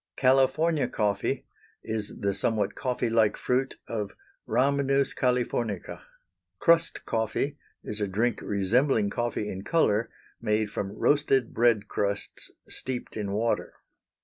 California coffee is the somewhat coffee like fruit of Rhamnus Californica. Crust coffee is a drink resembling coffee in color, made from roasted bread crusts steeped in water.